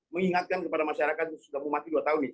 mengingatkan kepada masyarakat sudah mematikan dua tahun nih